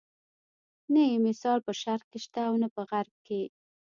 نه یې مثال په شرق کې شته او نه په غرب کې.